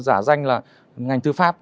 giả danh là ngành tư pháp